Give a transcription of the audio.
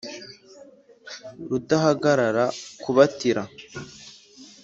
Rudahagarara ku batira